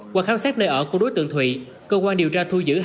qua khám xét nơi ở của đối tượng thụy cơ quan điều tra thu giữ